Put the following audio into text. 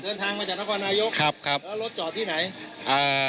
เดินทางมาจากนครนายกครับครับแล้วรถจอดที่ไหนอ่า